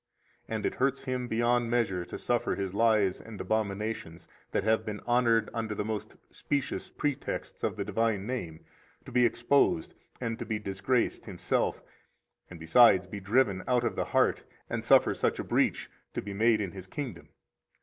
And it hurts him beyond measure to suffer his lies and abominations, that have been honored under the most specious pretexts of the divine name, to be exposed, and to be disgraced himself, and, besides, be driven out of the heart, and suffer such a breach to be made in his kingdom.